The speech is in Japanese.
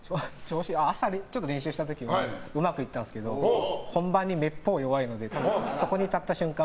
朝に練習した時はうまくいったんですけど本番にめっぽう弱いのでそこに立った瞬間